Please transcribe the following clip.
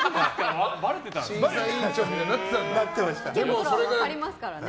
ばれてたんですね。